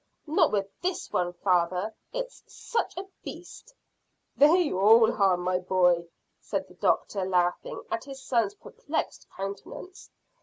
"Not with this one, father. It's such a beast." "They all are, my boy," said the doctor, laughing at his son's perplexed countenance.